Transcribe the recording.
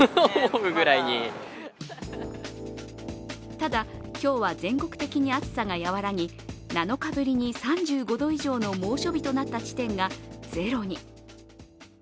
ただ、今日は全国的に暑さが和らぎ７日ぶりに３５度以上の猛暑日となった地点がゼロに。